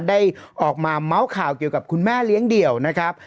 ได้ออกมาเมาส์ข่าวเกี่ยวกับคุณแม่เลี้ยงเดี่ยวนะครับ